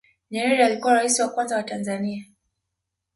nyerere alikuwa raisi wa kwanza wa tanzania